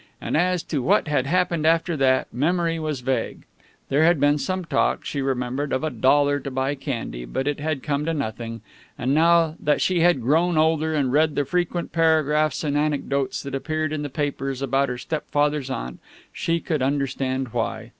And, as to what had happened after that, memory was vague. There had been some talk, she remembered, of a dollar to buy candy, but it had come to nothing, and now that she had grown older and had read the frequent paragraphs and anecdotes that appeared in the papers about her stepfather's aunt, she could understand why.